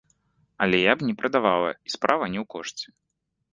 Але я б не прадавала, і справа не ў кошце.